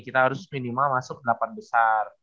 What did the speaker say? kita harus minimal masuk delapan besar